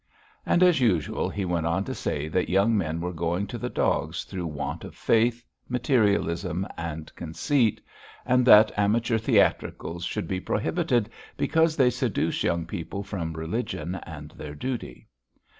And, as usual, he went on to say that young men were going to the dogs through want of faith, materialism, and conceit, and that amateur theatricals should be prohibited because they seduce young people from religion and their duty.